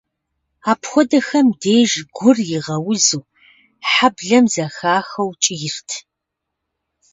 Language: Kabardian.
Апхуэдэхэм деж, гур игъэузу, хьэблэм зэхахыу кӏийрт.